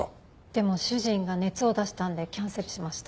でも主人が熱を出したんでキャンセルしました。